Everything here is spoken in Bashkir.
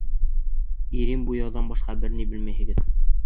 Ирен буяуҙан башҡа бер ни белмәйһегеҙ!